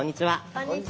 こんにちは。